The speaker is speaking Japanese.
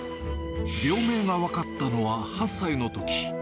病名が分かったのは８歳のとき。